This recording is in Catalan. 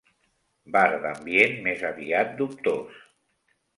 Bar d'ambient més aviat dubtós.